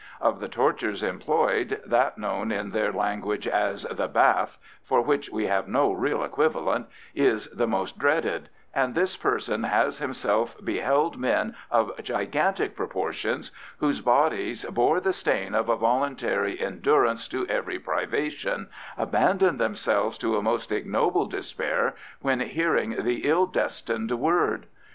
Of the tortures employed that known in their language as the "bath" (for which we have no real equivalent,) is the most dreaded, and this person has himself beheld men of gigantic proportions, whose bodies bore the stain of a voluntary endurance to every privation, abandon themselves to a most ignoble despair upon hearing the ill destined word.